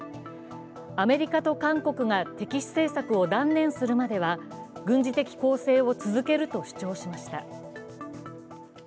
アメリカと韓国が敵視政策を断念するまでは軍事的攻勢を続けると主張しました。